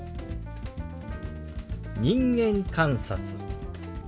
「人間観察」。